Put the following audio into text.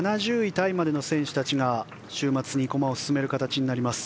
タイまでの選手たちが週末に駒を進める形になります。